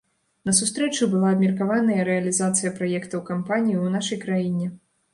На сустрэчы была абмеркаваная рэалізацыя праектаў кампаніі ў нашай краіне.